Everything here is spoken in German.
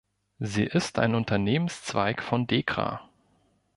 Sie ist ein Unternehmenszweig von Dekra.